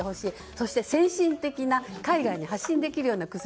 そして先進的な海外に発信できるような薬